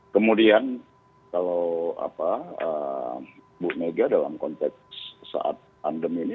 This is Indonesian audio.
kemudian kalau bu mega dalam konteks saat pandemi ini